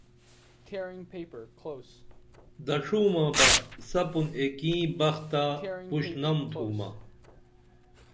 دڇھومہ بہ سپُن ایکیں بخ تہ پُشنم تھومہ